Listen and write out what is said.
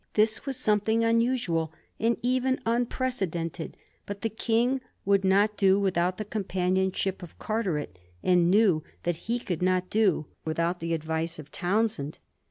This was something unusual, and even unpre cedented ; but the King would not do without the companionship of Carteret, and knew that he could not do without the advice of Townshend.